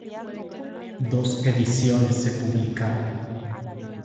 Dos ediciones se publicaron.